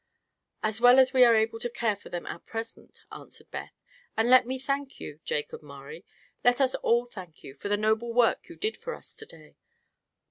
"As well as we are able to care for them at present," answered Beth. "And let me thank you, Jakob Maurie let us all thank you for the noble work you did for us to day."